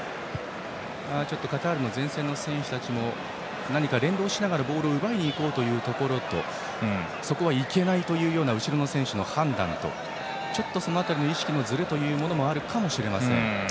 カタールの前線の選手たちも何か連動しながらボールを奪いにいこうというところとそこはいけないというような後ろの選手の判断とちょっとその辺りの意識のずれもあるかもしれません。